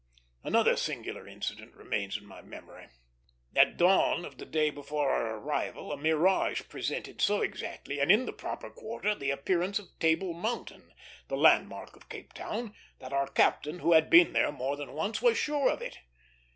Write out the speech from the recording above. Another singular incident remains in my memory. At dawn of the day before our arrival, a mirage presented so exactly, and in the proper quarter, the appearance of Table Mountain, the landmark of Cape Town, that our captain, who had been there more than once, was sure of it.